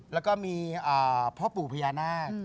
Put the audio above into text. แล้วก็มีอ่าพ่อปู่พะยานา